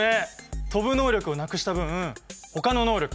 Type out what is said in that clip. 飛ぶ能力をなくした分ほかの能力